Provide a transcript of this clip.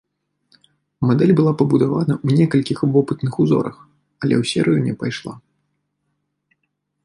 Мадэль была пабудавана ў некалькіх вопытных узорах, але ў серыю не пайшла.